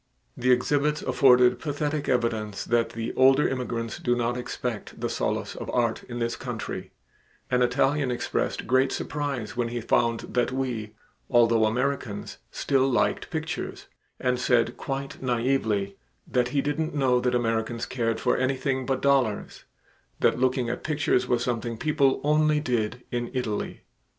The exhibits afforded pathetic evidence that the older immigrants do not expect the solace of art in this country; an Italian expressed great surprise when he found that we, although Americans, still liked pictures, and said quite naively that he didn't know that Americans cared for anything but dollars that looking at pictures was something people only did in Italy.